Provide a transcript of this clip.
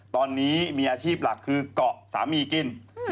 ตอนนี้มีอาชีพหลักคือเกาะสามีกิน